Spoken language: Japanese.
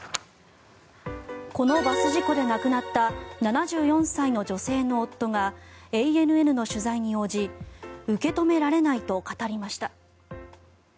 このバス事故で亡くなった７４歳の女性の夫がＡＮＮの取材に応じ受け止められないと語りました。